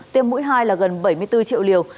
tiêm mũi ba bao gồm tiêm bổ số